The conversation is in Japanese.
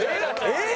えっ！